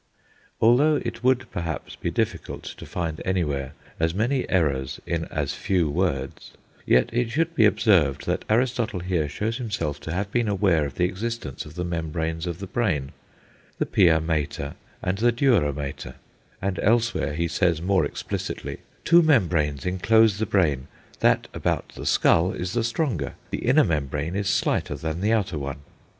Although it would perhaps be difficult to find anywhere as many errors in as few words, yet it should be observed that Aristotle here shows himself to have been aware of the existence of the membranes of the brain the pia mater and the dura mater; and elsewhere he says more explicitly, "Two membranes enclose the brain; that about the skull is the stronger; the inner membrane is slighter than the outer one."